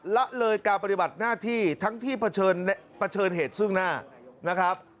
ละเลยการปฏิบัติหน้าที่ทั้งที่เผชิญเหตุซึ่งหน้านะครับ